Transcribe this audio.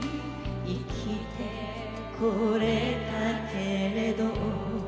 「生きて来れたけれど」